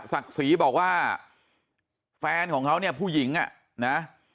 ศักดิ์ศรีบอกว่าแฟนของเขาเนี่ยผู้หญิงอ่ะนะ